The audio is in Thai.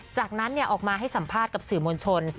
จากนั้นออกมาให้สัมภาษณ์กับสื่อมวลชน